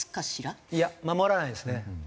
いや守らないですね。